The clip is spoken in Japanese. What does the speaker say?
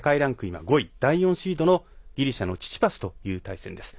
今、５位第４シードのギリシャのチチパスという対戦です。